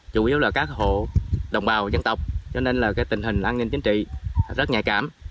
chủ yếu là các hộ đồng bào dân tộc cho nên là tình hình an ninh chính trị rất nhạy cảm